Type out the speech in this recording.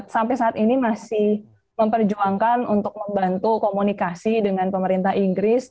sampai saat ini masih memperjuangkan untuk membantu komunikasi dengan pemerintah inggris